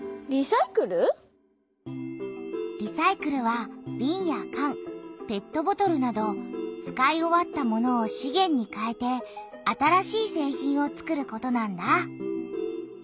リサイクルはびんやかんペットボトルなど使い終わったものを「資源」にかえて新しい製品を作ることなんだ。